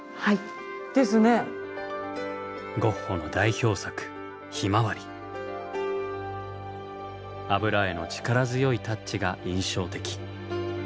ゴッホの代表作油絵の力強いタッチが印象的。